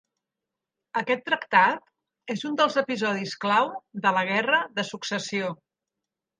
Aquest tractat és un dels episodis clau de la Guerra de Successió.